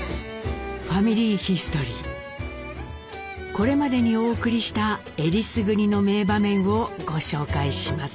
これまでにお送りしたえりすぐりの名場面をご紹介します。